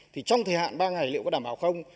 thì trong thời hạn ba ngày liệu có đảm bảo không